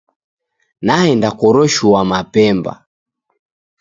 Naenda koroshua mapemba.